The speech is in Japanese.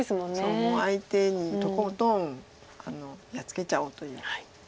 そう相手にとことんやっつけちゃおうという。